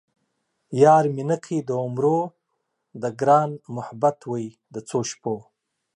یار مې نه کئ د عمرو ـ د ګران محبت وئ د څو شپو